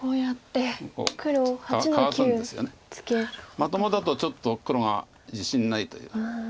まともだとちょっと黒が自信ないという。